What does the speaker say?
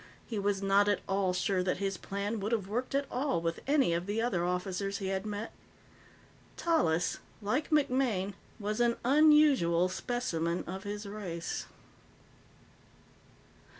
He was not at all sure that his plan would have worked at all with any of the other officers he had met. Tallis, like MacMaine, was an unusual specimen of his race.